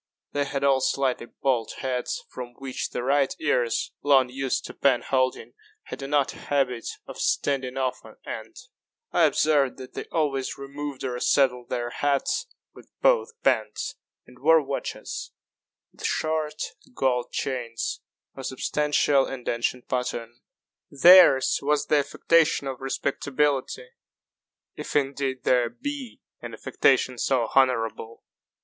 They had all slightly bald heads, from which the right ears, long used to pen holding, had an odd habit of standing off on end. I observed that they always removed or settled their hats with both hands, and wore watches, with short gold chains of a substantial and ancient pattern. Theirs was the affectation of respectability; if indeed there be an affectation so honorable.